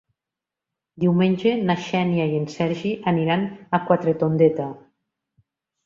Diumenge na Xènia i en Sergi aniran a Quatretondeta.